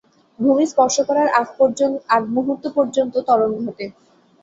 ভূমি স্পর্শ করার আগ মুহূর্ত পর্যন্ত ত্বরণ ঘটে।